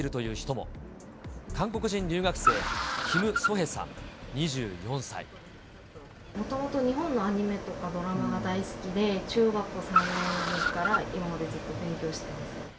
もともと日本のアニメとかドラマが大好きで、中学校３年から今までずっと勉強してます。